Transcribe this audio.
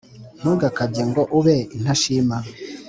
Ntugakabye ngo ube intashima